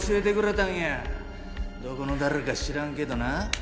どこの誰か知らんけどな。